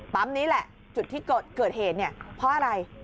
นี้แหละจุดที่เกิดเหตุเนี่ยเพราะอะไร